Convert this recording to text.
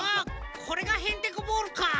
これがヘンテコボールかぁ。